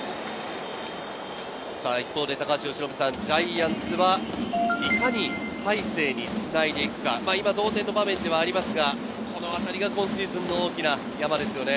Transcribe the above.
一方で高橋由伸さん、ジャイアンツはいかに大勢につないでいくか、今同点の場面ではありますが、このあたりが今シーズンの大きな山ですよね。